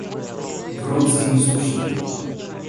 Вронский не слушал его.